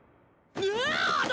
うわ！